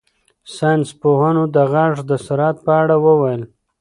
ساینس پوهانو د غږ د سرعت په اړه وویل.